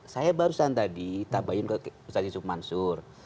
saya barusan tadi tabayun ke ustadz yusuf mansur